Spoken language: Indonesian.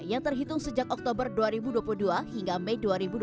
yang terhitung sejak oktober dua ribu dua puluh dua hingga mei dua ribu dua puluh